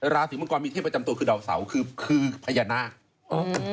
ราศีมังกรมีเทพประจำตัวคือดาวเสาคือคือพญานาคอืม